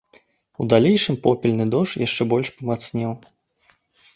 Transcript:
У далейшым попельны дождж яшчэ болей памацнеў.